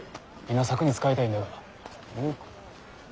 稲作に使いたいんだが。